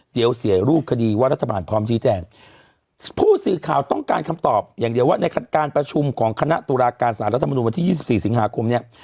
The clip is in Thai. เดี๋ยวเสียรูปคดีว่ารัฐบาลพร้อมชี้แจงผู้สื่อข่าวต้องการคำตอบอย่างเดียวว่าในการประชุมของคณะตุลาการสารรัฐมนุนวันที่๒๔สิงหาคมเนี่ย